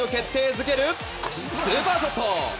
づけるスーパーショット！